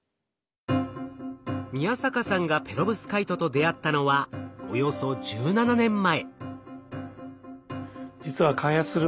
宮坂さんがペロブスカイトと出会ったのはおよそ１７年前。